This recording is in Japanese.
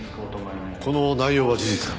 この内容は事実か？